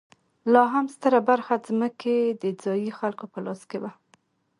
لا هم ستره برخه ځمکې د ځايي خلکو په لاس کې وه.